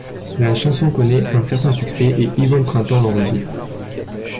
La chanson connaît un certain succès, et Yvonne Printemps l'enregistre.